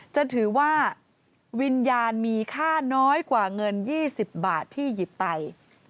จะถือว่าวิญญาณมีค่าน้อยกว่าเงิน๒๐บาทที่หยิบไป